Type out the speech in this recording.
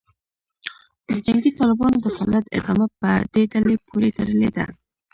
د جنګي طالبانو د فعالیت ادامه په دې ډلې پورې تړلې ده